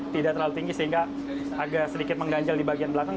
tidak terlalu tinggi sehingga agak sedikit mengganjal di bagian belakang